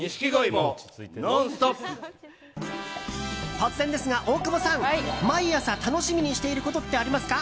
突然ですが大久保さん毎朝楽しみにしていることってありますか？